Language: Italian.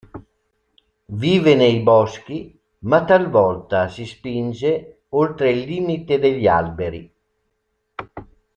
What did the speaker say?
Vive nei boschi, ma talvolta si spinge oltre il limite degli alberi.